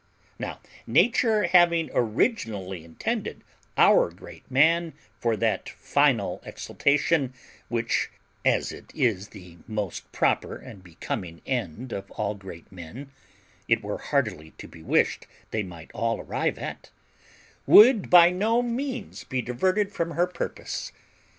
Now, Nature having originally intended our great man for that final exaltation which, as it is the most proper and becoming end of all great men, it were heartily to be wished they might all arrive at, would by no means be diverted from her purpose.